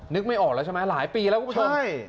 นึกไม่ออกแล้วใช่ไหมหลายปีแล้วคุณผู้ชม